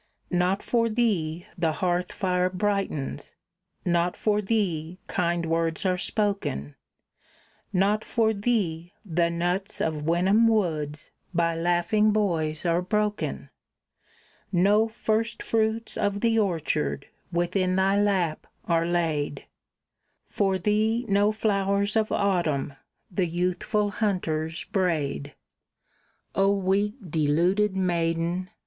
"Not for thee the hearth fire brightens, not for thee kind words are spoken, Not for thee the nuts of Wenham woods by laughing boys are broken; No first fruits of the orchard within thy lap are laid, For thee no flowers of autumn the youthful hunters braid. "O weak, deluded maiden!